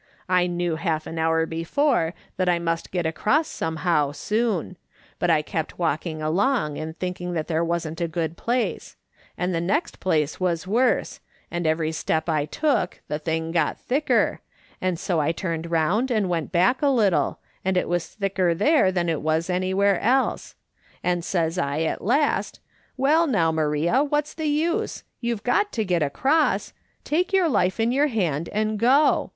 I knew half an hour before that I 1^8 Al/!S. SOlOMO// SMITH LObKI^G 6ff. must get across somehow, soon ; but I kept walking along and thinking that here wasn't a good place ; and the next place was worse, and every step I took the thing got thicker, and so I turned around and went back a little, and it was thicker there than it was anywhere else ; and says I at last :' Well, now, Maria, what's the use ? You've got to get across ; take your life in your hand and go.